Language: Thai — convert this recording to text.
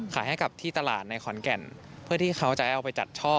ขายให้กับที่ตลาดในขอนแก่นเพื่อที่เขาจะเอาไปจัดช่อ